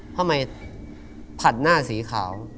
ทำไมผัดหน้าสีขาว